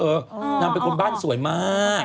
นางเป็นคนบ้านสวยมาก